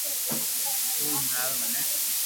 تو ھي ھڻاو مني